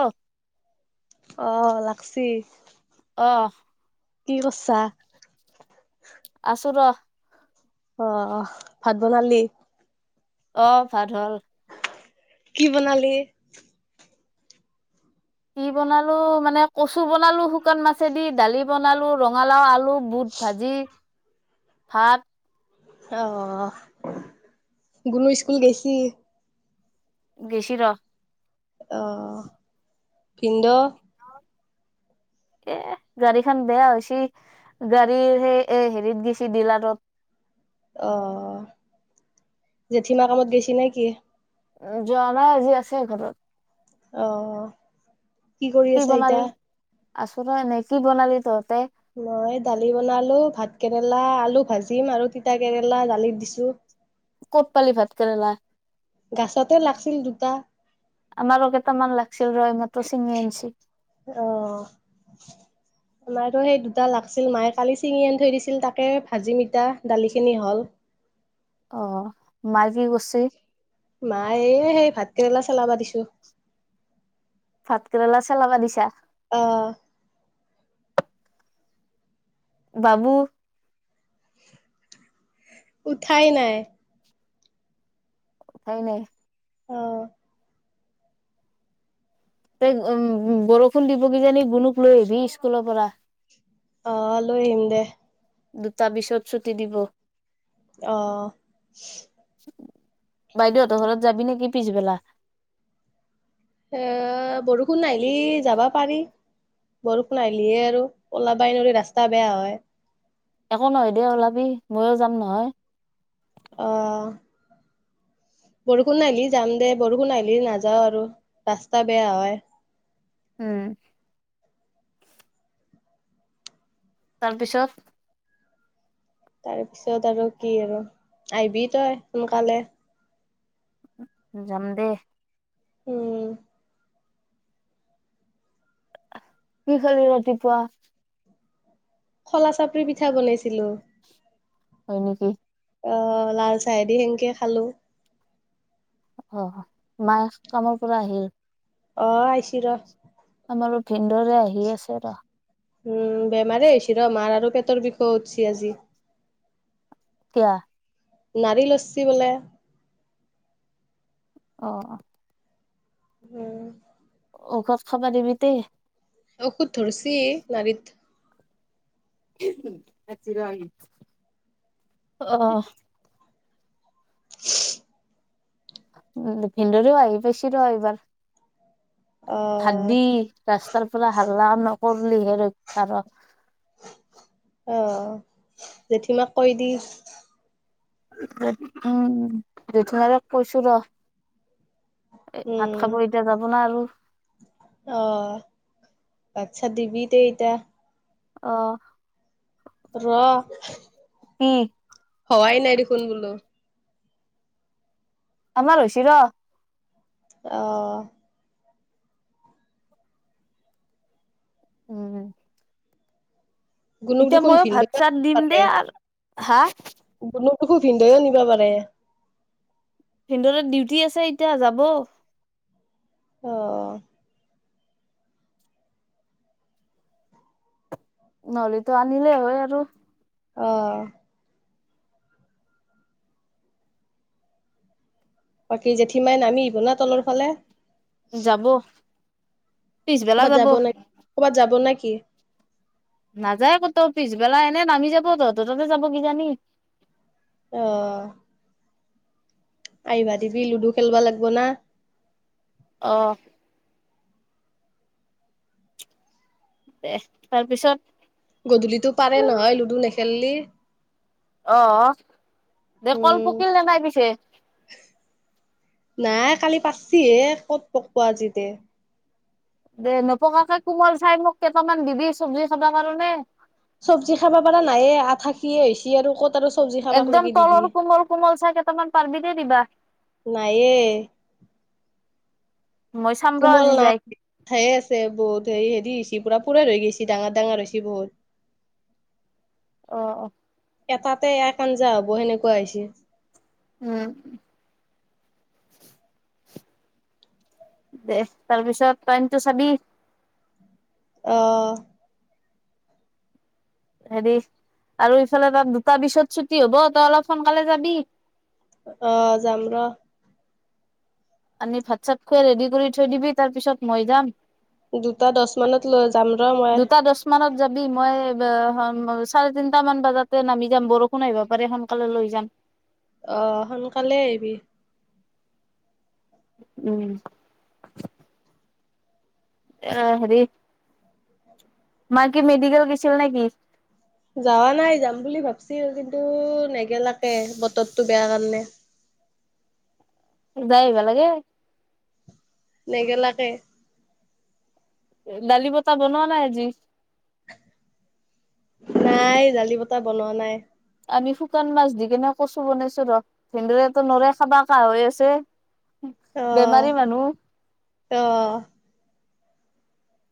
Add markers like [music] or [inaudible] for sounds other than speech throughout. অ'। আহ, লাগছি। অহ। কি কৰছা? আছোঁ ৰ! অ', ভাত বনালি? অ', ভাত হ'ল। কি বনালি? কি বনালো মানে, কচু বনালো শুকান মাছেদি। দালি বনালো, ৰঙালাও আলু, বুট ভাঁজি, ভাত। আহ, গুনো স্কুল গেছি? গেছি ৰ! অহ ভিন্দৌ, এ গাড়ীখন বেয়া হৈছি গাড়ীৰ সেই এ হেৰিত দিছে ডিলাৰত। অ জেঠীমা কামত গেছি নেকি। উ যোৱা নাই আজি আছে এখনত, অ কি কৰি কি আছা এতিয়া। বনালি আছো ৰ এনে কি বনালি তহতে, মই দালি বনালো ভাত কেৰেলা আলু ভাজিম আৰু তিতা কেৰেলা দালিত দিছো। কপপালি ভাতকৰেলা। গাছতে লাগছিল দুটা আমাৰো কেইটামান লাগছিল ৰয় মাত্ৰ চিনি আঞ্চি অ আমাৰো সেই দুটা লাগছিল মায়ে কালি চিঙি আনি থৈ দিছিল তাকে ভাজি ইতা দালিখিনি হল। অ' মা কি কৰচি? মায়ে সেই ভাতকেৰেলা চেলাবা দিছো। ভাত কেৰেলা ছেলাবা দিছা। অ বাবু উঠাই নাই। উঠাই নাই। অ ত উম বৰষুণ দিবগেইজানি গুণুক লৈ আহিবি স্কুলৰ পৰা। অহ লৈ আহিম দে। দুটা বিছত ছুটি দিব। অহ। বাইদেউহঁতৰ ঘৰত যাবি নেকি পিছবেলা। এ বৰষুণ ন আহিলি যাবা পাৰি বৰষুণ আহিলিয়ে আৰু উলাবাই নৰি ৰাস্তা বেয়া হয়। একো নহয় দিয় ওলাবি ময়ো যাম নহয়। অহঁ। বৰষুণ আহিলি যাম দে বৰষুণ আহিলি নাযাও আৰু ৰাস্তা বেয়া হয়। উম, তাৰপিছত তাৰপিছত আৰু কি আৰু আহিবি তই সোনকালে। জাম দে। উম, কি খালি ৰাতিপুৱা। খলা চাপৰি পিঠা বনাইছিলো। হয় নেকি? অহ লাল চাহেদি সেনকে খালো। অহ মাছ কামৰ পৰা আহিল। অ' আহছি ৰ আমাৰো ভিনদেৰো আহি আছে ৰহ। উম, বেমাৰেই আছ ৰ মাৰ আৰু পেটৰ বিষ উঠছি আজি। কিয়া? নাৰিলছি বোলে। অ-অ উম, ঔষধ খাব দিবি তেই। ঔষধ ধৰিছি নাৰীত। অ' উম, ভিনদেওৰে আহি পাইছি ৰহ এইবাৰ। অ', ভাতদি ৰাস্তাৰ পৰা হাল্লা ন পললিহে ৰক্ষা ৰহ অ' জেঠীমাক কৈ দি। উম, দেথিমাৰেক কৈছো ৰহ এ ভাত উম, খাব এতিয়া যাবো না আৰু। অ, আচ্ছা দিবি দে এতিয়া। আহ। ৰ কি হোৱাই নাই দেখোন বোলো। আমাৰ হৈছি ন। আহ। উম। গুণুক এতিয়া দেখোন ময়ো ভাত ভিনদেউ চাত দিম দে আৰু। হা? বুনুক দেখো ভিনদেও নিবা পাৰে। ভিন্দেউৰেৰ ডিউটি আছে এতিয়া যাব। অ', নহলেতো আনিলেই হয় আৰু। অ', বাকী জেঠীমাই নামি আহিব না তলৰ ফালে? যাব। ক'বাত যাব নে ক'বাত যাব নে কি? নাযায় ক'তো পিছবেলা এনেই নামি যাব তহঁতৰ তাতে যাব কিজানি। অ', আহিবা দিবি লুডু খেলবা লাগব না। অ', দে তাৰপিছত গধূলিটো পাৰে নহয় লুডু নেখেললি অ', দে কল উম, পকিল নে নাই পিছে? নাই কালি পাচ্ছচিহে ক'ত পকব আজিতে। দে নপকাকে কোমল চাই মোক কেইটামান দিবি চবজি খাবা কাৰণে। চবজি খাব পাৰা নাইয়ে আঠাকিয়ে হৈছে আৰু ক'ত আৰু চব্জি খাবাক একদম লাগি দিবি। তলৰ কোমল কোমল চাহ কেইটামান পাৰিবি দেই দিবা। নাইয়ে মই চাম ৰ কোমল আজি না যাই খাইয়ে আছে বহুত হেৰি-হেৰি পুৰা পূৰা ৰৈ গৈছ ডাঙৰ ডাঙৰ হৈছ বহুত আহ অ। তাতে এক আঞ্জা হ'ব সেনেকুৱা হৈছে। উম। দে তাৰপিছত টাইমটো চাবি আহ। হেৰি আৰু ইফালে তাত দুটা বিছত ছুটি হ'ব তই অলপ সোনকালে যাবি। অ যাম ৰ। আনি ভাত চাত খুৱাই ৰেডি কৰি থৈ দিবি তাৰ পিছত মই যাম। দুটা দশ মানত লৈ যাম ৰ মই দুটা দহ মানত যাবি মই চাৰে তিনটা মান বজাতে নামি যাম বৰষুণ আহিব পাৰে সোনকালে লৈ যাম। আহ সোনকালে আহিবি। উম। এ হেৰি মা কি মেডিকেল গেছিল নেকি? যাৱা নাই যাম বুলি ভাবছিল কিন্তু নাই লাগে বতৰ। তটো বেয়া কাৰণে [inaudible] লাগে। নেগেলাকে লালি পাতা বনুৱানা আজি নাই জালি পতাহ বনোৱা নাই আমি শুকান মাছ দি কেনে কচু বনাইছো ৰ ভেনদৰেতো নৰে কাবা কাহ হৈ আছে। আহ বেমাৰী মানুহ। আহ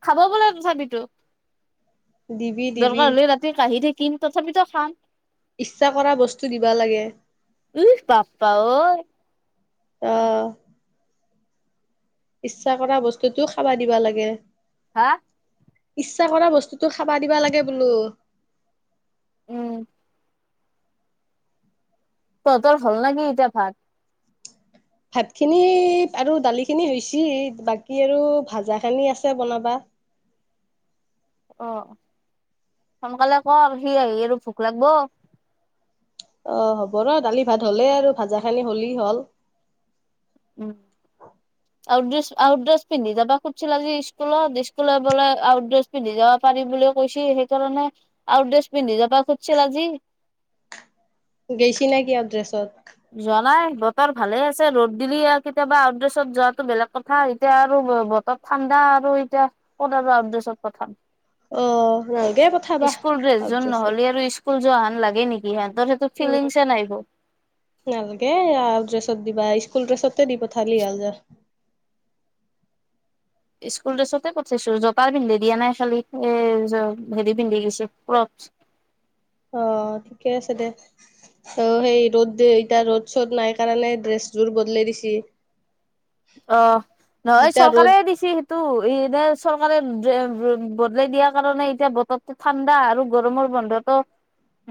খাব বোলে তথাপিতো দিবি দিবি দৰকাৰ হলে ৰাতি কাঢ়ি থাকি দিম তথাপিতো খাম ইচ্ছা কৰা বস্তু দিবা লাগে। ইহ বাপ্পা [inaudible] অ ' ইচ্ছা কৰা বস্তুতও খাবা দিবা লাগে। হা। ইচ্ছা কৰা বস্তুতটো খাবা দিবা লাগে বোলো উম, তঁতৰ হল নে কি এতিয়া ভাত। ভাত খিনি আৰু দালি খিনি হৈছে, বাকী আৰু ভাজা খিনি আছে বনাবা। অ 'সোনকালে কৰ সি আহি আৰু ভোক লাগিব। অ হ'ব ৰ দালি ভাত হ'লেই আৰু ভাজা খেনী হ'লেই হ'ল। উ আউটড্ৰেছ পিন্ধি যাব খুজছিল আজি স্কুলত স্কুলত বলে আউটড্ৰেছ পিন্ধি যাব পাৰি বুলি কৈছী, সেইকাৰণে আউটড্ৰেছ পিন্ধি যাবা খুজিছিল আজি। গৈছি নে কি আউটড্ৰেছ। যোৱা নাই বতৰ ভালে আছে। ৰ'দ দিলি কেতিয়াবা আউটড্ৰেছত যোৱাতটো বেলেগ কথা এতিয়া আৰু বতৰত ঠাণ্ডা, আৰু এতিয়া ক'ত আৰু আউটড্ৰেছত পঠাম। আহ নালগে পঠাবা স্কুল ড্ৰেছযোৰ নহ'লে আৰু স্কুল যোৱাহান লাগে নেকি সেহে ধটো উম ফিলিংছে নাই বৌ নালগে আৰু ড্ৰেছত দিবা স্কুল ড্ৰেছ দি পঠালি হাল যাৰ। স্কুল ড্ৰেছতে পঠাইছো জপাৰ পিন্ধে দিয়া নাই খালি এ হেৰি পিন্ধি গছে কপ। অ' ঠিকে আছে দে অ সেই ৰ'দ এতিয়া ৰ'দ চ'দ নাই কাৰণে ড্ৰেছযোৰ বদলাই দিছি। অ' নহয় যেতিয়া চৰকাৰে ৰ'দ দিছে সেইটো ইনে চৰকাৰে বদলাই দিয়াৰ কাৰণে এতিয়া বতৰটো ঠাণ্ডা, আৰু গৰমৰ বন্ধতো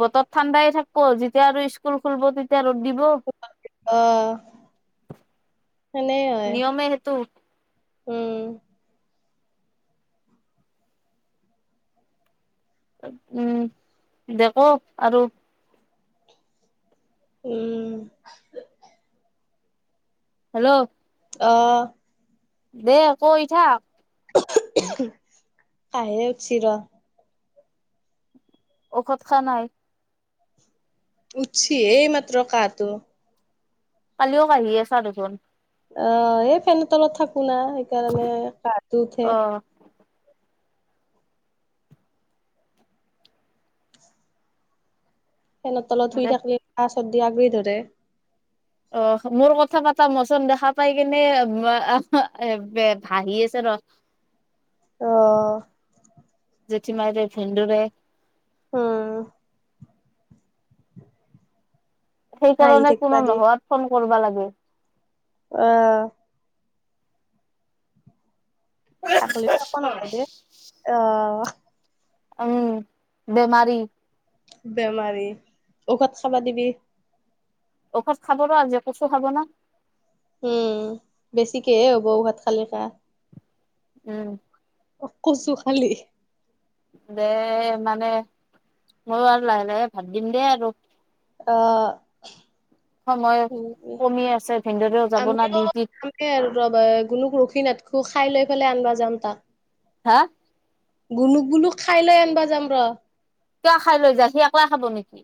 বতৰ ঠাণ্ডাই থাকিব, যেতিয়া আৰু স্কুল খুলব তেতিয়া ৰ'দ দিব। অ ' নিয়মে সেইটো উম উম দে ক আৰু। উম। হেল্ল। অহ। দে কৈ থাক। [unintelligible] কাহে উদছি ৰ। ঔষধ খা নাই? উদছি এই মাত্ৰ কাহটো। কালিও কাহি আছা দেখোন। অ এই ফেনৰ তলত থাক কো না সেইকাৰণে কাহটো উঠে। অ' ফেনৰ তলত ধুই দে থাকিলে [unintelligible] [unintelligible] আগেই ধৰে, অ মোৰ কথা পাতা মচোন দেখা পাই কিনে [unintelligible] ভাহি আছে ৰ, অ জেঠিমাৰৰে ভেন্দৌৰে, হুম, হাঁহি সেইকাৰণে থাকিবা কোনো দি নোহোৱাত ফোন কৰবা লাগে। আহ, ছাকলি একো নহয় দে অ অ, উম বেমাৰি। বেমাৰী ঔষাধ খাবা দিবি। ঔষধ খাব নোৱাৰ আজি কচু খাব না। উম বেছিকেহে হ'ব ভাত খালি খা, উম, ক কচু খালে। দে মানে ময়ো আৰু লাহে লাহে ভাত দিম দে আৰু অ, সময় [unintelligible] কমি আছে ভিনদেউৰেও যাব না আমিও ডিউটিত ৰা গুণুক ৰখি নাথা খু খাই লৈ পেলাই আনবা যাম তাক হা গুনুক গুলুক খাই লৈ আনিবা যাম ৰ কিয় খাই লৈ যা সি অকলে খাব নেকি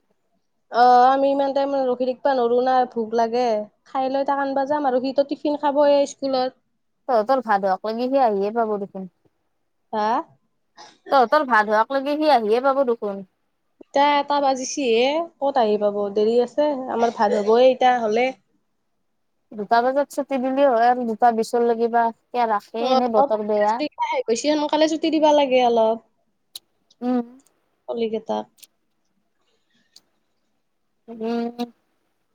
অ আমি ইমান টাইম ৰখি থিকিবা নৰো না ভোক লাগে খাই লৈ তাক আনবা যাম আৰু সি টো টিফিন খাবয়ে স্কুলত [unintelligible] সি আহিয়ে পাব দেখোন হা তহঁতৰ ভাত হোৱাক লকি সি আহি সিয়ে পাব দেখোন [unintelligible] এটা বাজিছিহে ক'ত আহি পাব দেৰি আছে আমাৰ ভাল হ'বয়ে এতিয়া হলে দুটা বজাত ছুটি দিলে হয় আৰু দুটা বিচৰ লগিবা অ অ আহ গৈছে সোনকালে ছুটি দিবা লাগে অলপ উম, [unintelligible] উম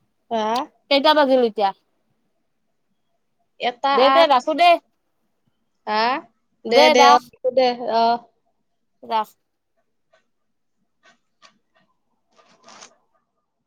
[unintelligible] কেইটা বাজিল এতিয়া? এটা দে তে আঠ ৰাখো দে হা দে দে হব দে। [unintelligible] [unintelligible] [inaudible]